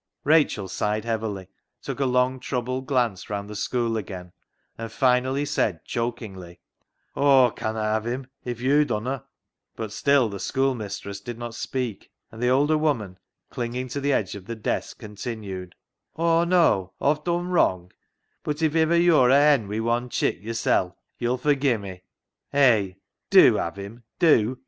Rachel sighed heavily, took a long troubled glance round the school again, and finally said, chokingly —^^ Aw conna have him if yo' dunna." But still the schoolmistress did not speak, and the older woman, clinging to the edge of the desk, continued —" Aw know Aw've done wrung, but if ivver CLOG SHOP CHRONICLES 271 yo're a hen wi' one chick yo'rsel' yo'll forgie me. Hay ! dew have him, dew !